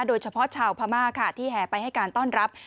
โดยเฉพาะชาวพม่าค่ะที่แห่ไปให้การต้อนรับ